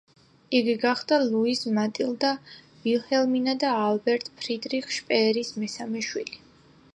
იგი გახდა ლუიზ მატილდა ვილჰელმინა და ალბერტ ფრიდრიხ შპეერის მესამე შვილი.